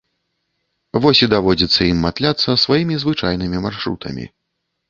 Вось і даводзіцца ім матляцца сваімі звычайнымі маршрутамі.